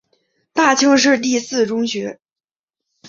大庆市第四中学。